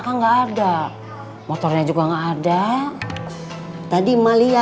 ara croon selesai lah